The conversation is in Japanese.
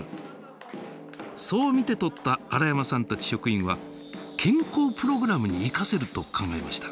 そう見て取った荒山さんたち職員は健康プログラムに生かせると考えました。